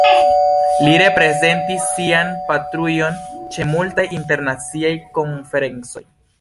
Li reprezentis sian patrujon ĉe multaj internaciaj konferencoj.